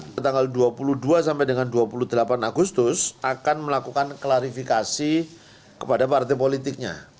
pada tanggal dua puluh dua sampai dengan dua puluh delapan agustus akan melakukan klarifikasi kepada partai politiknya